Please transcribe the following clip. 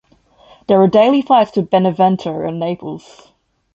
There are daily flights to Benevento and Naples.